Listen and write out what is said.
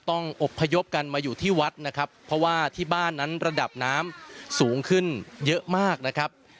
ต้องอบพยพกันมาอยู่ที่วัดนะครับเพราะว่าที่บ้านนั้นระดับน้ำสูงขึ้นเยอะมากนะครับ